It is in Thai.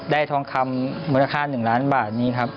ทองคำมูลค่า๑ล้านบาทนี้ครับ